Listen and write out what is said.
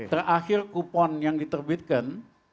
terakhir kupon yang diterbitkan